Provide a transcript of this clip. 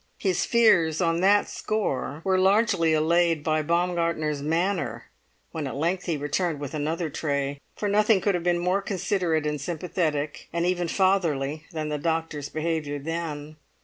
His fears on that score were largely allayed by Baumgartner's manner when at length he returned with another tray; for nothing could have been more considerate and sympathetic, and even fatherly, than the doctor's behaviour then.